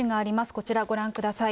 こちらご覧ください。